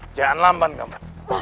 jangan lamban kamu